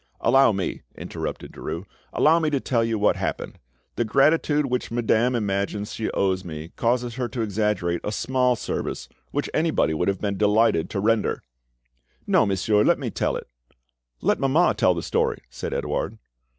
"Allow me," interrupted Derues, "allow me to tell you what happened. The gratitude which madame imagines she owes me causes her to exaggerate a small service which anybody would have been delighted to render." "No, monsieur; let me tell it." "Let mamma tell the story," said Edouard.